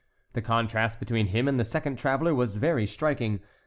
The contrast between him and the second traveller was very striking.